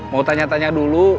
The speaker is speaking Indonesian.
mau tanya tanya dulu